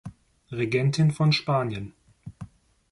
Regentin von Spanien.